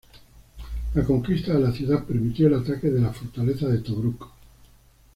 La conquista de la ciudad permitió el ataque de la fortaleza de Tobruk.